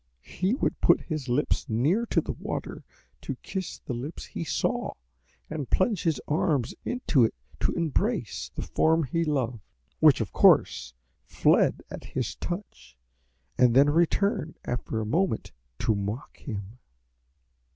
He would put his lips near to the water to kiss the lips he saw, and plunge his arms into it to embrace the form he loved, which, of course, fled at his touch, and then returned after a moment to mock him.